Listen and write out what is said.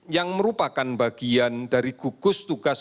yang merupakan bagian dari gugus tugas